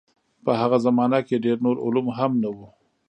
په هغه زمانه کې ډېر نور علوم هم نه وو.